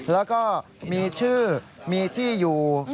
แล้วก็มีชื่อมีที่อยู่